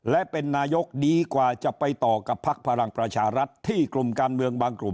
และเป็นนายกดีกว่าจะไปต่อกับพักพลังประชารัฐที่กลุ่มการเมืองบางกลุ่ม